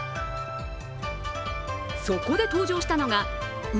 そこで登場したのが運